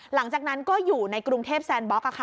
หลังจากนั้นก็อยู่ในกรุงเทพแซนบล็อก